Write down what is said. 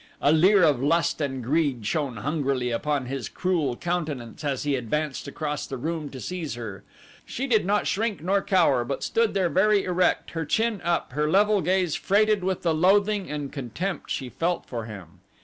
A leer of lust and greed shone hungrily upon his cruel countenance as he advanced across the room to seize her. She did not shrink nor cower, but stood there very erect, her chin up, her level gaze freighted with the loathing and contempt she felt for him.